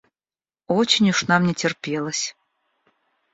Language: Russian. Очень уж нам не терпелось.